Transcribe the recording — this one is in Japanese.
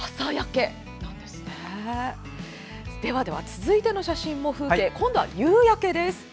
続いての写真も風景今度は夕焼けです。